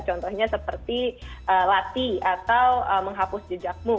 contohnya seperti latih atau menghapus jejakmu